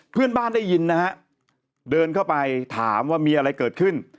ได้ยินนะฮะเดินเข้าไปถามว่ามีอะไรเกิดขึ้น